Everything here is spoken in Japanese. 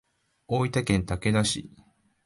大分県竹田市